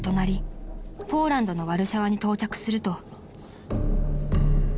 ポーランドのワルシャワに到着すると］